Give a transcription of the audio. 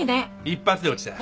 一発で落ちた。